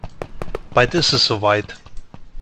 Bald ist es soweit.